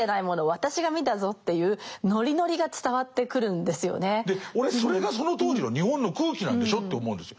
私が見たぞっていうで俺それがその当時の日本の空気なんでしょって思うんですよ。